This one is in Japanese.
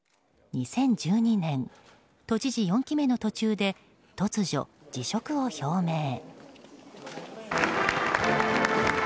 ２０１２年都知事４期目の途中で突如、辞職を表明。